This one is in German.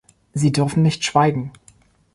Sie dürfen nicht schweigen.